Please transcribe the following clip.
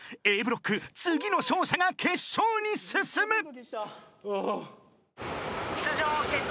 ［Ａブロック次の勝者が決勝に進む］